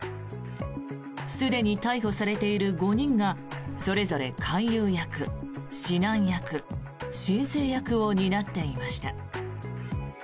すでに逮捕されている５人がそれぞれ勧誘役、指南役申請役を担っていました。